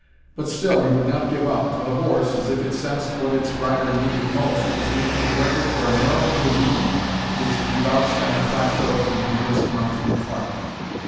But still he would not give up, for the horse, as if it sensed what its rider needed most, was making directly for a narrow ravine which debouched on the plateau from the nearest mountain flank.